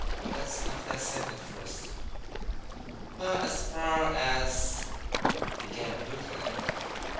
Let's have that settled first." "Well, as far as " began Blue Tie.